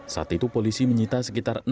saat itu polisi menyita sekitar